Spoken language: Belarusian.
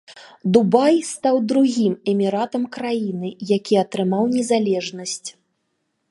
Дубай стаў другім эміратам краіны, якія атрымаў незалежнасць.